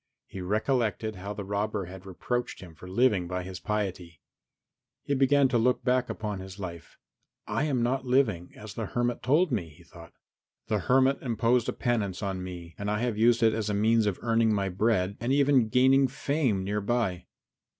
He recollected how the robber had reproached him for living by his piety. He began to look back upon his life. "I am not living as the hermit told me," he thought. "The hermit imposed a penance on me and I have used it as a means of earning my bread and even gaining fame thereby.